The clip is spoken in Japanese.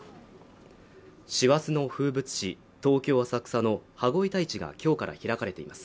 師走の風物詩、東京・浅草の羽子板市がきょうから開かれています